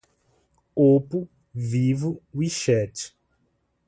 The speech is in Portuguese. Oppo, Vivo, We Chat